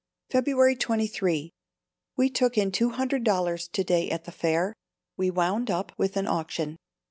February 23. We took in two hundred dollars to day at the fair. We wound up with an auction.